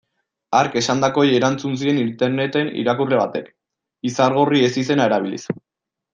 Hark esandakoei erantzun zien interneten irakurle batek, Izargorri ezizena erabiliz.